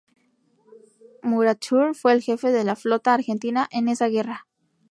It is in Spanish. Murature fue el jefe de la flota argentina en esa guerra.